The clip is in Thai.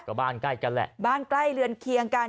ก็บ้านใกล้กันแหละบ้านใกล้เรือนเคียงกัน